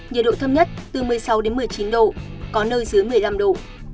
nhiệt độ thâm nhất từ một mươi sáu một mươi chín độ có nơi dưới một mươi năm độ